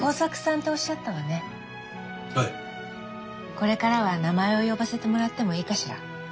これからは名前を呼ばせてもらってもいいかしら？